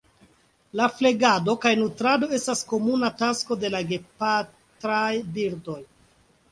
La flegado kaj nutrado estas komuna tasko de la gepatraj birdoj.